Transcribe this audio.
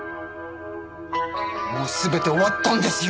もう全て終わったんですよ。